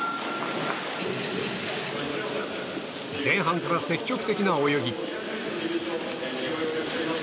前半から積極的な泳ぎ。